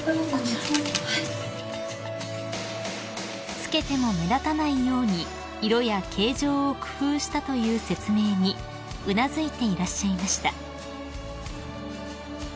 ［着けても目立たないように色や形状を工夫したという説明にうなずいていらっしゃいました］